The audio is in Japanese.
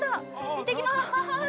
行ってきまーす。